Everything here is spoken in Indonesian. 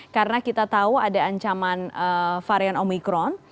karena kita tahu ada ancaman varian omikron